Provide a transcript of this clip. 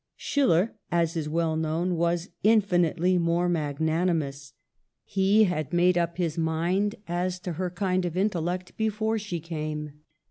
Schiller, as is well known, was infinitely more magnanimous. He had made up his mind as to her kind of intellect before she came.